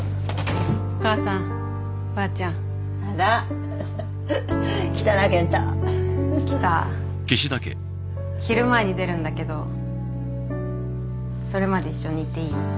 お母さんばあちゃんあら来たなケンタ来た昼前に出るんだけどそれまで一緒にいていい？